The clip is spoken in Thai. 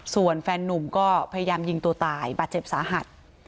ส่วนแฟนนุ่มก็พยายามยิงตัวตายบาดเจ็บสาหัส